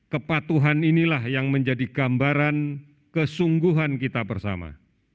kepatuhan inilah yang menjadi gambaran kesungguhan kita bersama